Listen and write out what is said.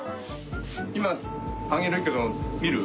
いまあげるけど見る？